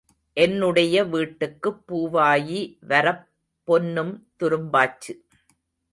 என்னுடைய வீட்டுக்குப் பூவாயி வரப் பொன்னும் துரும்பாச்சு.